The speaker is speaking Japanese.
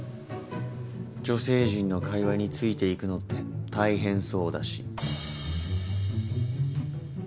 女性陣の会話についていくのって大変そうだし。